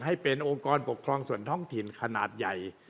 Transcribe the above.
ให้เป็นองค์กรปกครองส่วนท้องถิ่นขนาดใหญ่